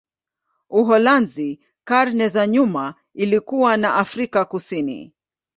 Uholanzi karne za nyuma ilikuwa na Afrika Kusini.